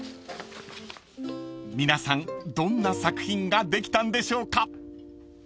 ［皆さんどんな作品ができたんでしょうか］